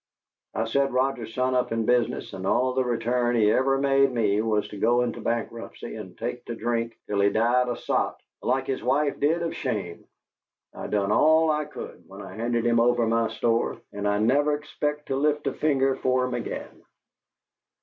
I set Roger's son up in business, and all the return he ever made me was to go into bankruptcy and take to drink, till he died a sot, like his wife did of shame. I done all I could when I handed him over my store, and I never expect to lift a finger for 'em again.